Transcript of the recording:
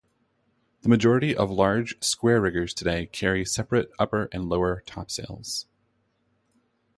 The majority of large square-riggers today carry separate upper and lower topsails.